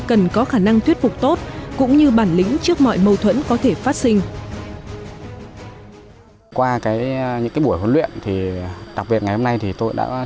cần có khả năng thuyết phục tốt